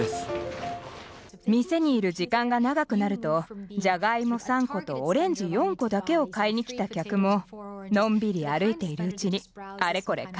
店にいる時間が長くなるとジャガイモ３個とオレンジ４個だけを買いに来た客ものんびり歩いているうちにあれこれ買いたくなってくるんです。